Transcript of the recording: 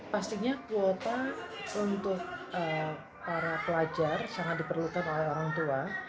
pastinya kuota untuk para pelajar sangat diperlukan oleh orang tua